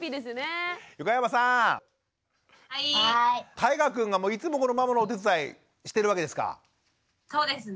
たいがくんがいつもママのお手伝いしてるわけですか？